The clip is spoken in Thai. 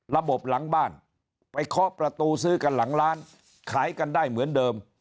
หลังบ้านไปเคาะประตูซื้อกันหลังร้านขายกันได้เหมือนเดิม